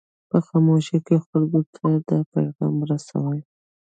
په خاموشۍ کې خلکو ته دا پیغام رسوي.